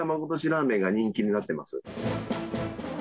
ラーメンが人気になってます。